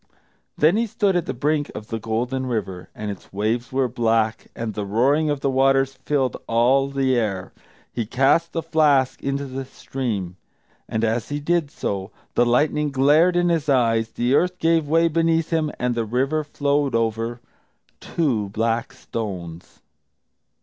Then he stood at the brink of the Golden River, and its waves were black, and the roaring of the waters filled all the air. He cast the flask into the stream. And as he did so the lightning glared in his eyes, the earth gave way beneath him, and the river flowed over The Two Black Stones.